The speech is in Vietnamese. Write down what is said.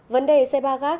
vấn đề xe ba gác